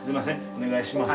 お願いします。